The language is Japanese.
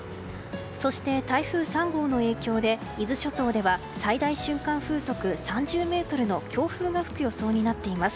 そして、台風３号の影響で伊豆諸島では最大瞬間風速３０メートルの強風が吹く予想になっています。